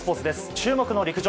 注目の陸上。